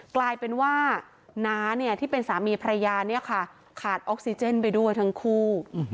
กลายเป็นว่าน้าที่เป็นสามีภรรยาเนี่ยค่ะขาดออกซิเจนไปด้วยทั้งคู่